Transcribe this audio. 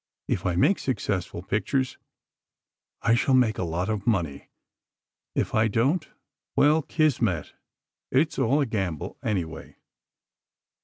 If I make successful pictures, I shall make a lot of money. If I don't, well, kismet—it's all a gamble, anyway.